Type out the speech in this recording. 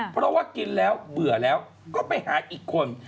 เพราะว่ากินแล้วเบื่อแล้วก็ไปหาอีกคน